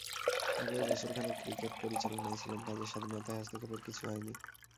আগেও বছর খানেক ক্রিকেট পরিচালনায় ছিলাম, কাজের স্বাধীনতায় হস্তক্ষেপের কিছু হয়নি।